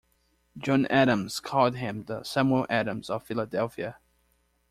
John Adams called him the "Samuel Adams of Philadelphia".